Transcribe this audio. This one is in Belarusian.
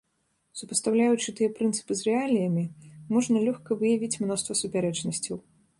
Супастаўляючы тыя прынцыпы з рэаліямі, можна лёгка выявіць мноства супярэчнасцяў.